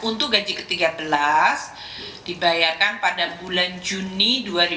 untuk gaji ke tiga belas dibayarkan pada bulan juni dua ribu dua puluh